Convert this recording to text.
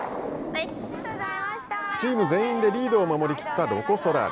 チーム全員でリードを守り切ったロコ・ソラーレ。